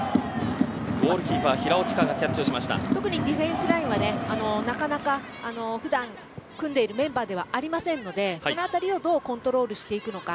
ゴールキーパー特にディフェンスラインはなかなか普段組んでいるメンバーではありませんのでこのあたりをどうコントロールしていくのか。